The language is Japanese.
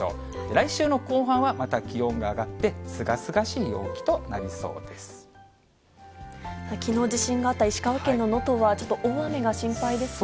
来週の後半は、また気温が上がって、きのう、地震があった石川県の能登はちょっと大雨が心配ですね。